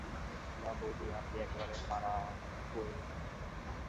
নাঃ বৌদি, আপনি একেবারে পাড়াগোঁয়ে।